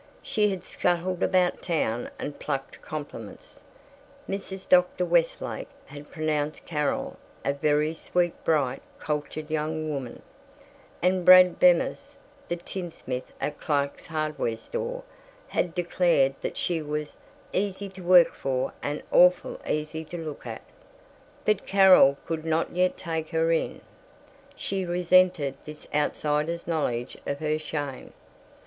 She had scuttled about town and plucked compliments: Mrs. Dr. Westlake had pronounced Carol a "very sweet, bright, cultured young woman," and Brad Bemis, the tinsmith at Clark's Hardware Store, had declared that she was "easy to work for and awful easy to look at." But Carol could not yet take her in. She resented this outsider's knowledge of her shame.